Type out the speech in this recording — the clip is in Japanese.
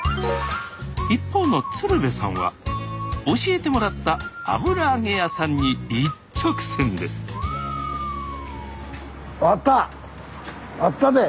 一方の鶴瓶さんは教えてもらった油揚げ屋さんに一直線ですあったで！